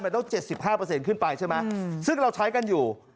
มันต้อง๗๕ขึ้นไปใช่ไหมซึ่งเราใช้กันอยู่